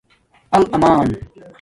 العمݳن